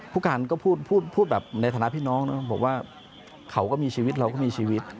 ผู้การก็พูดพูดแบบในฐานะพี่น้องบอกว่าเขาก็มีชีวิตเราก็มีชีวิต